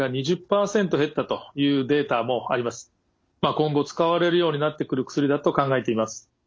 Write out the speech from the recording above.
今後使われるようになってくる薬だと考えています。